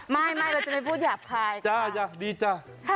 ไม่ไม่เราจะไปพูดหยาปายค่ะ